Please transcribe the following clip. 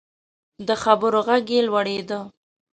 د خبرو غږ یې لوړیده.